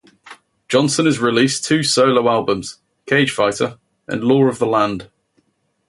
Johnson has released two solo albums: Cagefighter and Law of the Land.